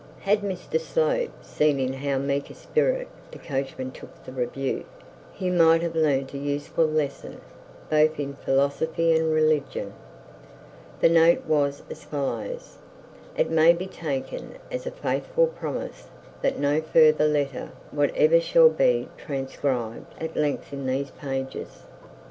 Had Mr Slope seen in how meek a spirit the coachman took the rebuke, he might have learnt a useful lesson, both in philosophy and religion. The note was as follows. It may be taken as a faithful promise that no further letter whatever shall be transcribed at length in these pages.